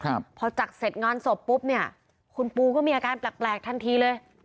ครับพอจัดเสร็จงานศพปุ๊บเนี่ยคุณปูก็มีอาการแปลกแปลกทันทีเลย